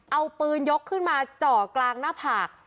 เอาปืนยกขึ้นมาเจาะกลางหน้าผาก